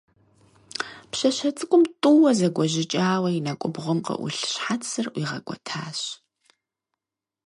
Пщащэ цӀыкӀум тӀууэ зэгуэжьыкӀауэ и нэкӀубгъум къыӀулъ щхьэцыр ӀуигъэкӀуэтащ.